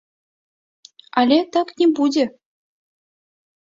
Але так не будзе.